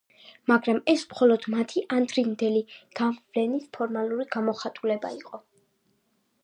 მაგრამ ეს მხოლოდ მათი ადრინდელი გავლენის ფორმალური გამოხატულება იყო.